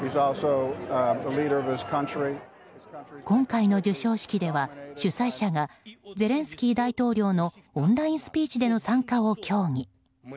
今回の授賞式では、主催者がゼレンスキー大統領のオンラインスピーチでの参加を協議。